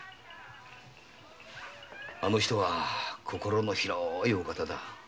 あの人は心の広いお方だ。